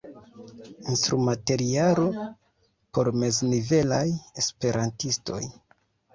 Instrumaterialo por meznivelaj Esperantistoj.